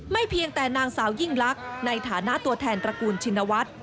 เพียงแต่นางสาวยิ่งลักษณ์ในฐานะตัวแทนตระกูลชินวัฒน์